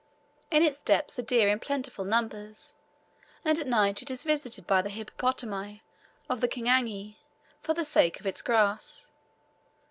In its depths are deer in plentiful numbers, and at night it is visited by the hippopotami of the Kingani for the sake of its grass.